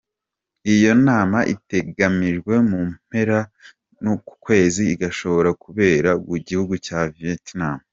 Iyo nama itegekanijwe mu mpera za kuno kwezi, igashobora kubera mu gihugu ca Vietnam.